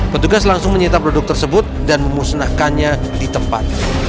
petugas langsung menyita produk tersebut dan memusnahkannya di tempat